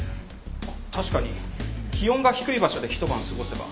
確かに気温が低い場所で一晩過ごせば。